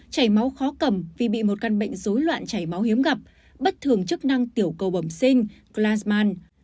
chảy máu khó cầm vì bị một căn bệnh dối loạn chảy máu hiếm gặp bất thường chức năng tiểu cầu bẩm sinh clasman